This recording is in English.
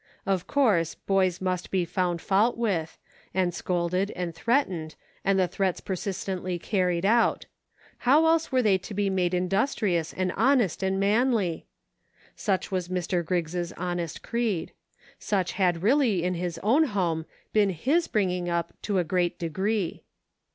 Of course, boys must be found fault with, and scolded, and threatened, and the threats persist ently carried out ; how else were they to be made industrious and honest and manly ? Such was Mr. Griggs' honest creed. Such had really in his own home been his bringing up to a great degree.